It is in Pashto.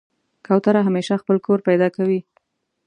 کوتره همیشه خپل کور پیدا کوي.